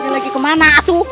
lagi kemana atu